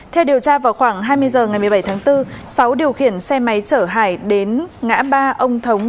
theo điều tra vào khoảng hai mươi h ngày một mươi bảy tháng bốn sáu điều khiển xe máy chở hải đến ngã ba ông thống